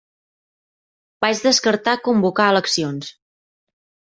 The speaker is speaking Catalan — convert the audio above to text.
Vaig descartar convocar eleccions.